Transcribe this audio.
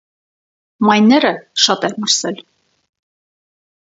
Մայները շատ էր մրսել։